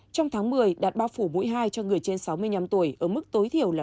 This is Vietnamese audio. trong tháng một mươi đạt bao phủ mỗi hai cho người trên sáu mươi năm tuổi ở mức tối thiểu là tám mươi